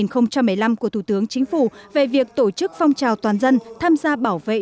năm hai nghìn một mươi năm của thủ tướng chính phủ về việc tổ chức phong trào toàn dân tham gia bảo vệ